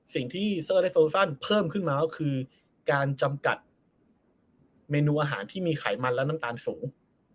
สิ่งที่เซอร์ไทน์เปิดขึ้นมาว่าการจำกัดเมนูอาหารที่มีไขมันและน้ำตาลสูง